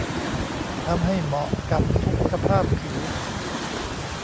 ทำให้เหมาะกับทุกสภาพผิว